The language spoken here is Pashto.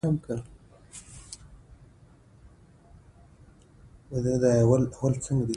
تاریخ د خپل ولس د ټولنیز ژوند انځور دی.